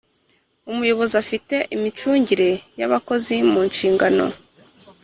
umuyobozi ufite imicungire y’abakozi mu nshingano